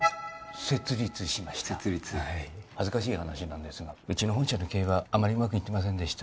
設立しました設立はい恥ずかしい話なんですがうちの本社の経営はあまりうまくいってませんでした